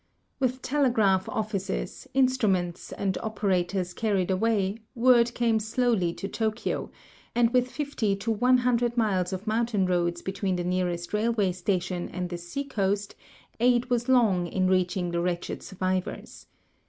With telegraph offices, instruments, and operators carried away, word came slowly to Tokjm, and with 50 to 100 miles of mountain roads between the nearest railwa}' station and the seacoast aid was long in reaching the wretched survivors.